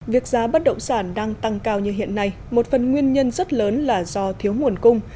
việc giá bất động sản đang tăng cao như hiện nay một phần nguyên nhân rất lớn là do thiếu nguồn cung